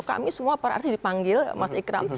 kami semua para artis dipanggil mas ikram